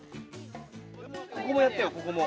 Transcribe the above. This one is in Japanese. ここもやってよ、ここも。